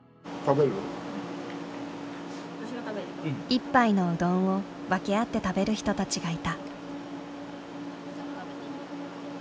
１杯のうどんを分け合って食べる人たちがいた。